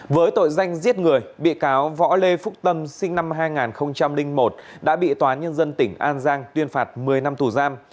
với tội danh giết người bị cáo võ lê phúc tâm sinh năm hai nghìn một đã bị tòa nhân dân tỉnh an giang tuyên phạt một mươi năm tù giam